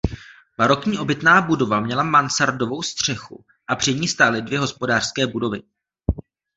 Barokní obytná budova měla mansardovou střechu a při ní stály dvě hospodářské budovy.